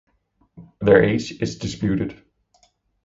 Their age is disputed.